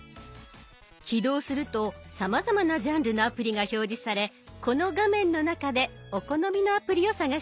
起動するとさまざまなジャンルのアプリが表示されこの画面の中でお好みのアプリを探していきます。